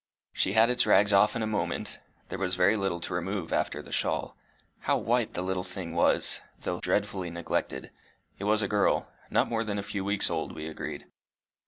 She had its rags off in a moment there was very little to remove after the shawl. How white the little thing was, though dreadfully neglected! It was a girl not more than a few weeks old, we agreed.